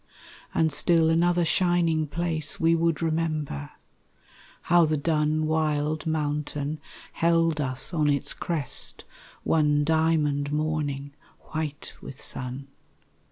And still another shining place We would remember how the dun Wild mountain held us on its crest One diamond morning white with sun.